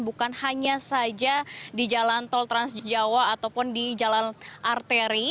bukan hanya saja di jalan tol transjawa ataupun di jalan arteri